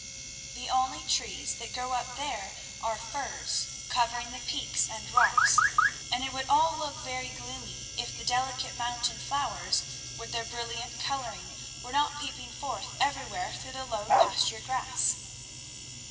The only trees that grow up there are firs, covering the peaks and rocks, and it would all look very gloomy if the delicate mountain flowers with their brilliant coloring were not peeping forth everywhere through the low pasture grass.